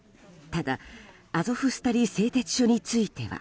ただ、アゾフスタリ製鉄所については。